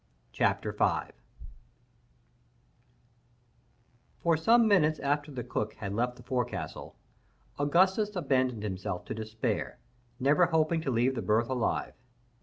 CHAPTER 5 For some minutes after the cook had left the forecastle, Augustus abandoned himself to despair, never hoping to leave the berth alive.